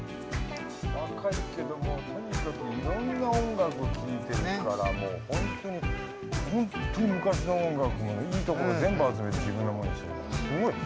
若いけどもとにかくいろんな音楽を聴いてるからもう本当に本当に昔の音楽のいいところを全部集めて自分のものにしてるからすごい。